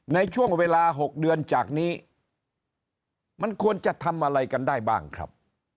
ในช่วงเวลา๖เดือนจากนี้มันควรจะทำอะไรกันได้บ้างครับ